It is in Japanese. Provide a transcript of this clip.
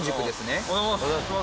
おはようございます。